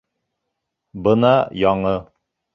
Бына яңы.